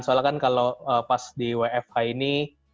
soalnya kan kalau pas di wfh ini